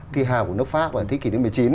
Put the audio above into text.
thì hào của nước pháp vào thế kỷ một mươi chín